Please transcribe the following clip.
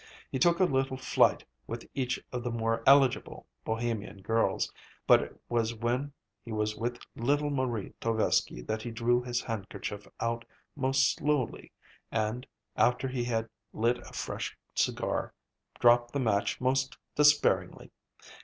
He took a little flight with each of the more eligible Bohemian girls, but it was when he was with little Marie Tovesky that he drew his handkerchief out most slowly, and, after he had lit a fresh cigar, dropped the match most despairingly.